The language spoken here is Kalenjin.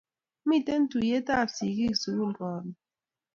Miten tuyet ab sikik sukul karun